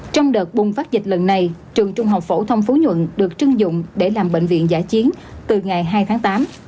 trong đợt bùng phát dịch lần này trường trung học phổ thông phú nhuận được trưng dụng để làm bệnh viện giả chiến từ ngày hai tháng tám